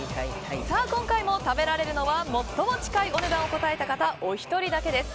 今回も食べられるのは最も近いお値段を答えた方お一人だけです。